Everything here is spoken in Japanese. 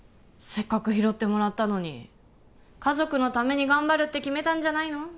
せっかく拾ってもらったのに家族のために頑張るって決めたんじゃないの？